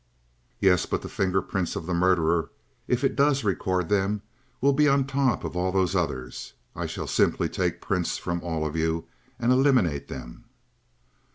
"Yes; but the finger prints of the murderer, if it does record them, will be on the top of all those others. I shall simply take prints from all of you and eliminate them."